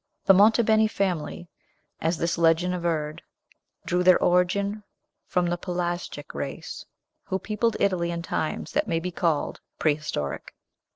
The Monte Beni family, as this legend averred, drew their origin from the Pelasgic race, who peopled Italy in times that may be called prehistoric.